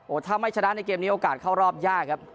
ถ้าไม่ชนะในเกมนี้โอกาสเข้ารอบยากครับ